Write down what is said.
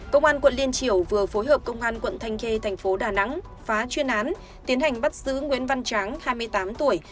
công an quận liên triều vừa phối hợp công an quận thanh kê tp đà nẵng phá chuyên án tiến hành bắt giữ nguyễn văn tráng hai mươi tám tuổi